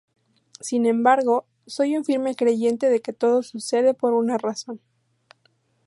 Sin embargo, soy un firme creyente de que todo sucede por una razón.